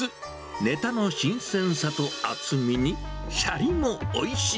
ネタの新鮮さと厚みに、しゃりもおいしい。